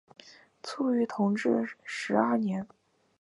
卒于同治十二年。